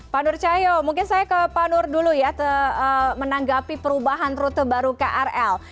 pak nur cahyo mungkin saya ke pak nur dulu ya menanggapi perubahan rute baru krl